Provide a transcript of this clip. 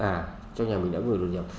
à trong nhà mình đã ngồi đột nhập